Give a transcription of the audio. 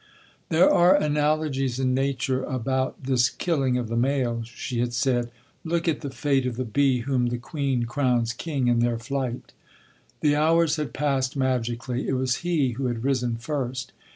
"There are analogies in nature about this killing of the male," she had said. "Look at the fate of the bee whom the queen crowns king in their flight." The hours had passed magically. It was he who had risen first.